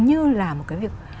như là một cái việc